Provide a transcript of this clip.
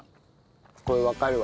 これわかるわ。